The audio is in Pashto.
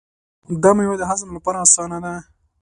دا مېوه د هضم لپاره اسانه ده.